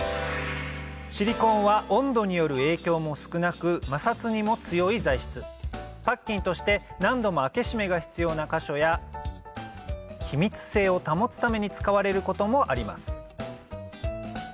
シリコーンは温度による影響も少なく摩擦にも強い材質パッキンとして何度も開け閉めが必要な箇所や気密性を保つために使われることもあります